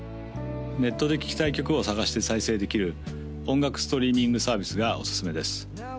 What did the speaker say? ネットで聴きたい曲を探して再生できる音楽ストリーミングサービスがおすすめです